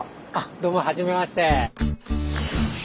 どうもはじめまして。